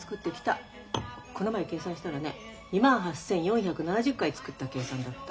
この前計算したらね２万８，４７０回作った計算だった。